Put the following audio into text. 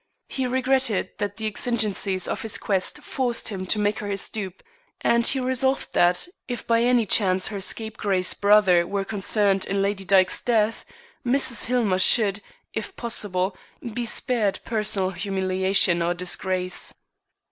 He regretted that the exigencies of his quest forced him to make her his dupe, and he resolved that, if by any chance her scapegrace brother were concerned in Lady Dyke's death, Mrs. Hillmer should, if possible, be spared personal humiliation or disgrace.